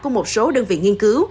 của một số đơn vị nghiên cứu